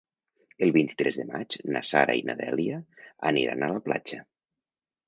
El vint-i-tres de maig na Sara i na Dèlia aniran a la platja.